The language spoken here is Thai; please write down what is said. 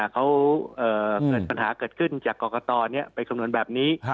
เขาเกิดปัญหาเกิดขึ้นจากกรกตไปคำนวณแบบนี้